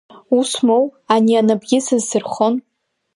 Усмоу, ани анапгьы сызсырхон.